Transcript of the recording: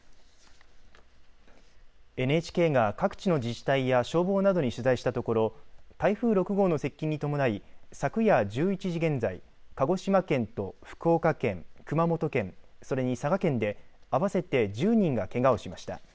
ＮＨＫが各地の自治体や消防などに取材したところ台風６号の接近に伴い昨夜１１時現在鹿児島県と福岡県熊本県、それに佐賀県であわせて１０人がけがをしました。